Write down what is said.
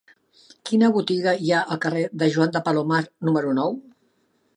Quina botiga hi ha al carrer de Joan de Palomar número nou?